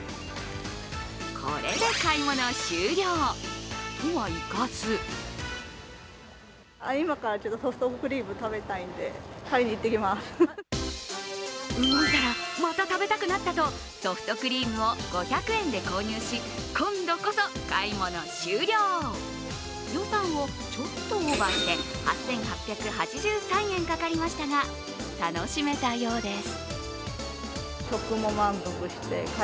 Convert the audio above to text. これで買い物終了とはいかず動いたらまた食べたくなったとソフトクリームを５００円で購入し今度こそ買い物終了、予算をちょっとオーバーして、８８８３円かかりましたが楽しめたようです。